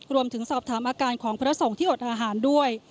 รวมถึงสอบถามอาการของพระสงฆ์ที่อดอาหารด้วย